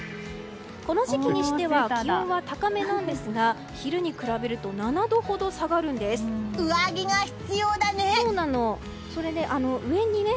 この時期にしては気温は高めなんですが昼に比べると上着が必要だね！